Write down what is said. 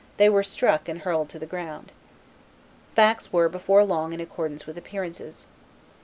they were struck and hurled to the ground. Facts were before long in accordance with appearances.